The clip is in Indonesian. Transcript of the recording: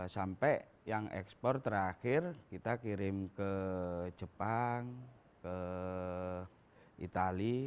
sampai yang ekspor terakhir kita kirim ke jepang ke itali